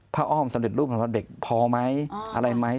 พระอ้อมสำเร็จรูปว่าเด็กพอไหมอะไรไหม